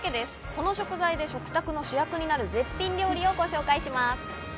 この食材で食卓の主役になる絶品料理をご紹介します。